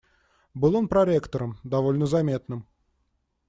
Был он проректором, довольно заметным.